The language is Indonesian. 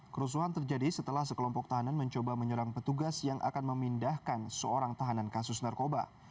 kerusuhan terjadi setelah sekelompok tahanan mencoba menyerang petugas yang akan memindahkan seorang tahanan kasus narkoba